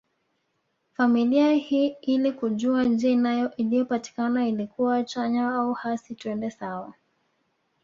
Familia hii ili kujua njia iliyopatikana ilikuwa chanya au hasi twende sawa